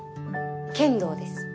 剣道です。